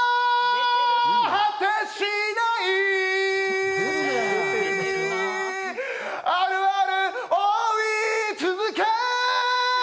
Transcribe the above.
果てしないあるある追い続け！